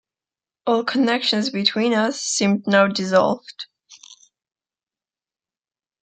All connection between us seemed now dissolved.